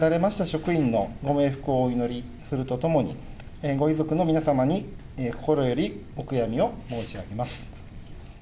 職員のご冥福をお祈りするとともに、ご遺族の皆様に心よりお悔やみを申し上げます。